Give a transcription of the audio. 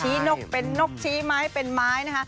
นกเป็นนกชี้ไม้เป็นไม้นะคะ